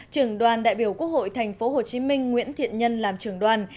trưởng đoàn đại biểu quốc hội tp hcm nguyễn thiện nhân làm trưởng đoàn